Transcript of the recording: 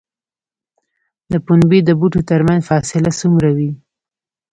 د پنبې د بوټو ترمنځ فاصله څومره وي؟